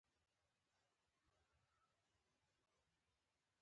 د دوه زره پنځويشتم کال